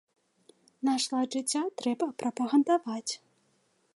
Наш лад жыцця трэба прапагандаваць.